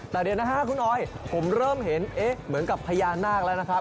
แต่เดี๋ยวนะฮะคุณออยผมเริ่มเห็นเอ๊ะเหมือนกับพญานาคแล้วนะครับ